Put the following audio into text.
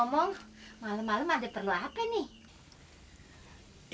malem malem ada perlu apa nih